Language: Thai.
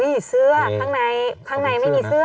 อุ๊ยเสื้อข้างในไม่มีเสื้อ